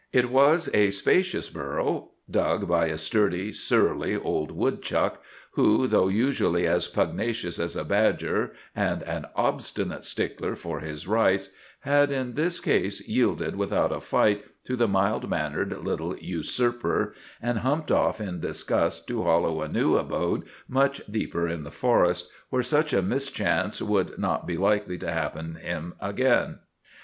It was a spacious burrow, dug by a sturdy, surly old woodchuck, who, though usually as pugnacious as a badger and an obstinate stickler for his rights, had in this case yielded without a fight to the mild mannered little usurper, and humped off in disgust to hollow a new abode much deeper in the forest, where such a mischance would not be likely to happen him again.